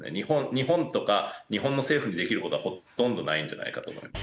日本とか日本の政府にできる事はほとんどないんじゃないかと思います。